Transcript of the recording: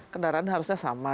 kendaraan harusnya sama